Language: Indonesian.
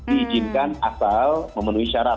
diizinkan asal memenuhi syarat